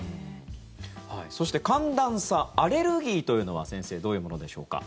そして寒暖差アレルギーというのは先生、どういうものでしょうか。